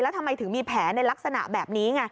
ทำไมถึงมีแผลในลักษณะแบบนี้ไง